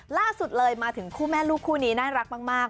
ล่าสุดเลยมาถึงคู่แม่ลูกคู่นี้น่ารักมาก